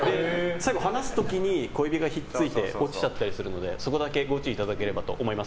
最後、離す時に小指が引っ付いて落ちちゃったりするのでそこだけご注意いただければと思います。